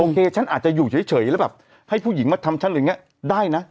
ฉันอาจจะอยู่เฉยแล้วแบบให้ผู้หญิงมาทำฉันอะไรอย่างนี้ได้นะ